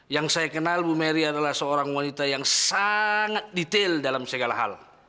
yang saya kenal bu mary adalah seorang wanita yang sangat detail dalam segala hal